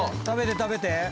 食べて食べて。